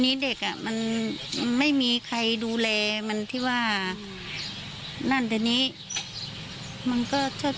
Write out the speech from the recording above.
นี่เด็กอ่ะมันไม่มีใครดูแลมันที่ว่ามันว่านั่นแล้วนี้มันก็เฉิด